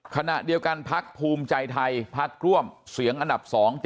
ขณะเดียวกันพักภูมิใจไทยพักร่วมเสียงอันดับ๒๗